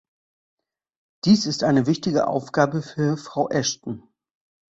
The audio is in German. Dies ist eine wichtige Aufgabe für Frau Ashton.